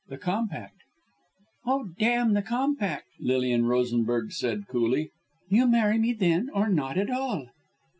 "The Compact!" "Oh, damn the Compact!" Lilian Rosenberg said coolly. "You marry me then or not at all!"